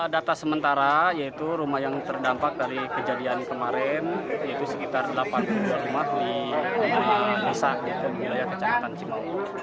data sementara yaitu rumah yang terdampak dari kejadian kemarin yaitu sekitar delapan puluh dua rumah di desa yaitu wilayah kecamatan cimau